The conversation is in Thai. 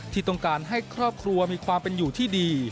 ที่ต้องการให้ครอบครัวมีความเป็นอยู่ที่ดี